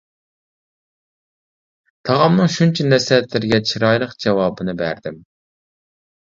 تاغامنىڭ شۇنچە نەسىھەتلىرىگە چىرايلىق جاۋابىنى بەردىم.